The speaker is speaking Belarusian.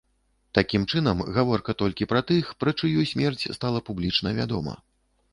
Такім чынам, гаворка толькі пра тых, пра чыю смерць стала публічна вядома.